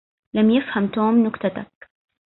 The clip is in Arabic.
لم يفهم توم نكتتك.